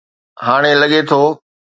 هاڻي لڳي ٿو